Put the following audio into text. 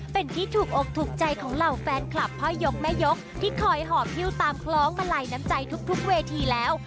เป็นที่ถูกอกถูกใจของเหล่าแฟนคลับพ่อยกแม่ยกที่คอยหอบฮิ้วตามคล้องมาลัยน้ำใจทุกเวทีแล้ว